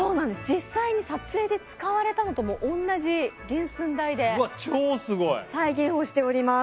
実際に撮影で使われたのとも同じ原寸大で再現をしております